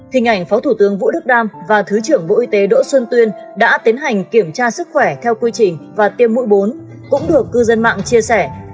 hình ảnh phó thủ tướng vũ đức đam và thứ trưởng bộ y tế đỗ xuân tuyên đã tiến hành kiểm tra sức khỏe theo quy trình và tiêm mũi bốn cũng được cư dân mạng chia sẻ